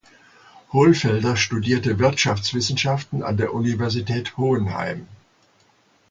Holfelder studierte Wirtschaftswissenschaften an der Universität Hohenheim.